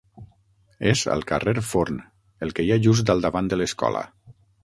És al carrer Forn, el que hi ha just al davant de l'escola.